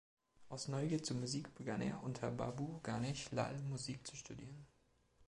Aus Neugier zur Musik begann er, unter Babu Ganesh Lal Musik zu studieren.